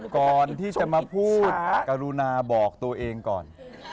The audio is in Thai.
ก่อนที่จะมาพูดกรุณาบอกตัวเองก่อน